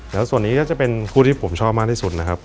แล้วส่วนนี้ก็จะเป็นคู่ที่ผมชอบมากที่สุดนะครับ